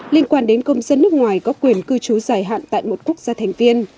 liên quan đến công dân nước ngoài có quyền cư trú dài hạn tại một quốc gia thành viên